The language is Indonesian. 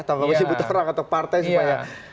tanpa menyebut orang atau partai supaya